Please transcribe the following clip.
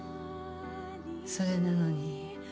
それなのに。